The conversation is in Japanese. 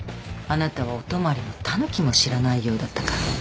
あなたは「お泊まり」も「タヌキ」も知らないようだったから。